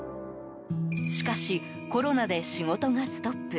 しかし、コロナで仕事がストップ。